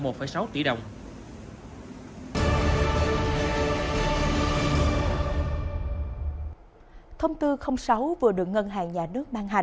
thông tư sáu vừa được ngân hàng nhà nước mang hành và có hiệu lực từ ngày một tháng chín năm hai nghìn hai mươi ba với nhiều điều kiện để khách vay có thể tiếp cận được vốn đổi mới theo hướng thông thoáng dễ dàng hơn